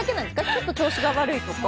ちょっと調子が悪いとか？